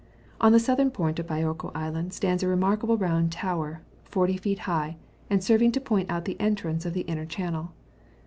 On the southern point of Biorko Island stands a remarkable round tower, 40 feet high, and serving to point out the entrance of the inner channel.